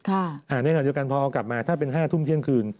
ในขณะเดียวกันพอเอากลับมาถ้าเป็น๕ทุ่มเที่ยงคืน